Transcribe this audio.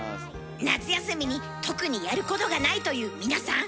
夏休みに特にやることがないという皆さん！